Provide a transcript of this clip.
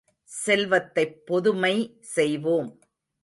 செல்வத்தைப் பொதுமை செய்வோம்!